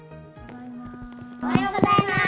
おはようございます。